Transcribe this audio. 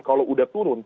kalau udah turun